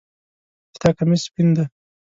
د تا کمیس سپین ده